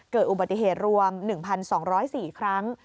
เกิดอุบัติเหตุรวม๑๒๐๔ครั้ง